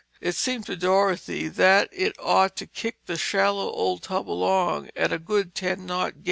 It seemed to Dorothy that it ought to kick the shallow old tub along at a good ten knot gait.